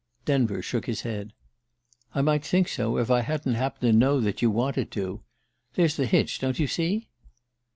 Denver shook his head. "I might think so if I hadn't happened to know that you wanted to. There's the hitch, don't you see?"